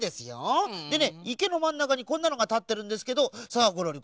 でねいけのまんなかにこんなのがたってるんですけどさあゴロリ